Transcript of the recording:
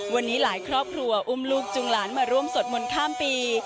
วันนี้หลายครอบครัวอุ้มลูกจุงหลานมาร่วมสวดมนต์ข้ามปี